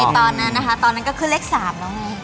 ตอนนั้นนะคะตอนนั้นก็ขึ้นเลข๓แล้วไง